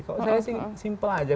kalau saya simple aja